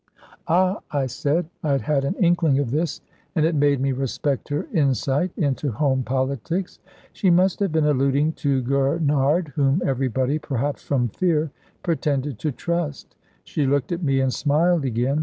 "Ah!" I said. I had had an inkling of this, and it made me respect her insight into home politics. She must have been alluding to Gurnard, whom everybody perhaps from fear pretended to trust. She looked at me and smiled again.